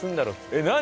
えっ何？